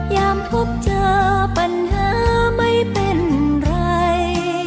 พบเจอปัญหาไม่เป็นไร